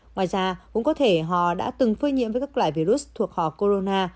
ngoài ra cũng có thể họ đã từng phơi nhiễm với các loại virus thuộc hò corona